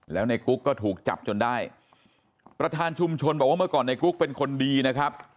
แล้วในกุ๊กก็ถูกจับจนได้ประธานชุมชนบอกว่าเมื่อก่อนในกุ๊กเป็นคนดีนะครับ